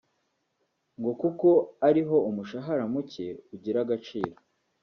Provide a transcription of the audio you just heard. ngo kuko ari ho umushahara muke ugira agaciro